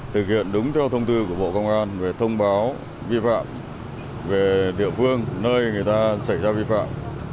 thực hiện đúng theo thông tư của bộ công an về thông báo vi phạm về địa phương nơi người ta xảy ra vi phạm